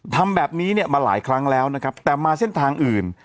ทำแบบนี้เนี่ยมาหลายครั้งแล้วนะครับแต่มาเส้นทางอื่น